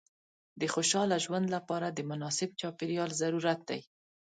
د خوشحاله ژوند لپاره د مناسب چاپېریال ضرورت دی.